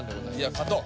勝とう！